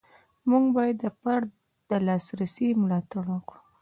موږ باید د فرد د لاسرسي ملاتړ وکړو.